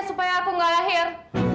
supaya aku gak lahir